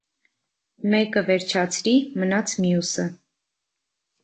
մեկը վերջացրի, մնաց մյուսը: